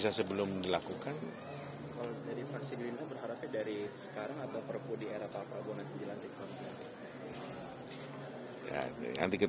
nanti sebelum nanti pak prabowo akan dilakukan